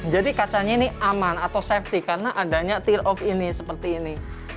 jadi kacanya ini aman atau safety karena adanya tear off ini seperti ini